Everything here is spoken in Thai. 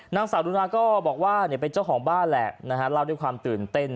นางสาวรุนาก็บอกว่าเป็นเจ้าของบ้านแหละนะฮะเล่าด้วยความตื่นเต้น